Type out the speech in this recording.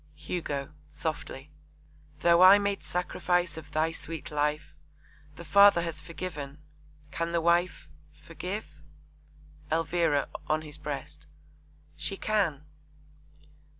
HUGO (softly). Though I made sacrifice of thy sweet life. The Father has forgiven. Can the wife Forgive? ELVIRA (on his breast). She can!